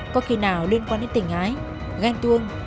có khi nào liên quan đến tình ái ganh tuông